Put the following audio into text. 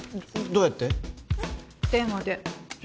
どうやって？